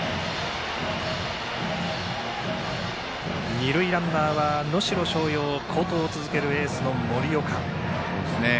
二塁ランナーは能代松陽好投を続けるエースの森岡。